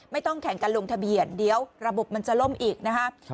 ไม่ต้องแข่งกันลงทะเบียนเดี๋ยวระบบมันจะล่มอีกนะครับ